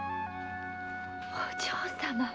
お嬢様。